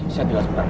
saya jelas berapa